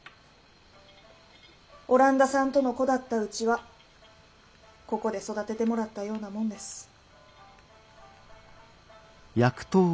オランダさんとの子だったうちはここで育ててもらったようなもんです。